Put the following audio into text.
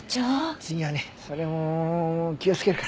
次はねそれも気をつけるから。